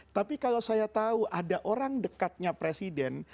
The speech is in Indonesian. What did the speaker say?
tapi kalau saya tahu ada orang dekatnya presiden